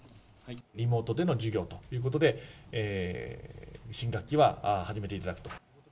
リモートでの授業ということで、新学期は始めていただくと。